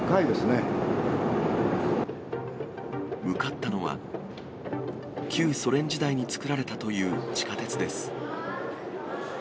向かったのは、旧ソ連時代に作られたという地下鉄です。